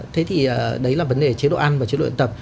thế thì đấy là vấn đề chế độ ăn và chế độ tập